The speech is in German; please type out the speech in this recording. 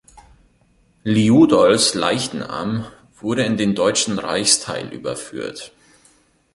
Liudolfs Leichnam wurde in den deutschen Reichsteil überführt.